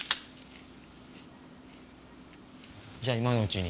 じゃあ今のうちに。